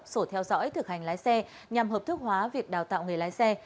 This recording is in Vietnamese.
sổ theo dõi thực hành lái xe nhằm hợp thức hóa việc đào tạo nghề lái xe